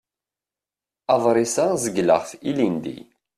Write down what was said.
Aḍris-a zegleɣ-t ilindi.